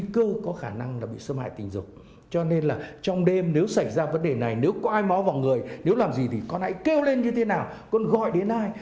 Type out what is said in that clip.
con đã bị xâm hại tình dục cho nên là trong đêm nếu xảy ra vấn đề này nếu có ai mó vào người nếu làm gì thì con hãy kêu lên như thế nào con gọi đến ai